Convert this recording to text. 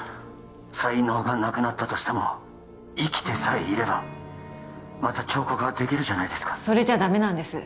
才能がなくなったとしても生きてさえいればまた彫刻はできるじゃないですかそれじゃダメなんです